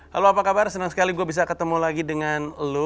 halo apa kabar senang sekali gue bisa ketemu lagi dengan lo